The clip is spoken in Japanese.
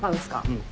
うん。